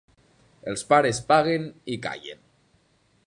Els pares paguen i callen.